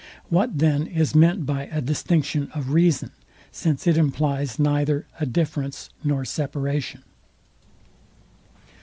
What then is meant by a distinction of reason, since it implies neither a difference nor separation.